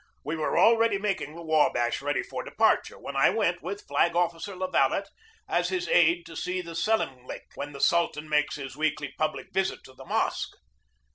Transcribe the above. We were already making the Wabash ready for departure when I went with Flag Officer THE MIDSHIPMAN CRUISE 27 La Valette as his aide to see the Selemlik, when the Sultan makes his weekly public visit to the mosque.